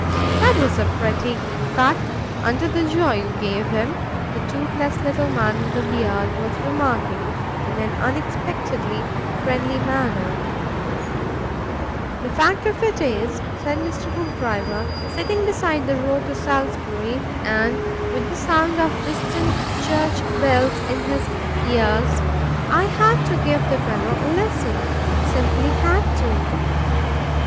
"That was a pretty cut under the jaw you gave him," the toothless little man with the beard was remarking in an unexpectedly friendly manner. "The fact of it is," said Mr. Hoopdriver, sitting beside the road to Salisbury, and with the sound of distant church bells in his cars, "I had to give the fellow a lesson; simply had to."